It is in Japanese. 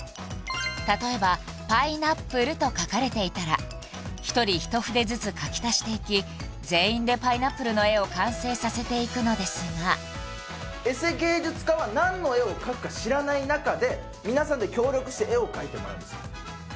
例えばパイナップルと書かれていたら１人一筆ずつ描き足していき全員でパイナップルの絵を完成させていくのですがエセ芸術家は何の絵を描くか知らない中で皆さんで協力して絵を描いてもらうんです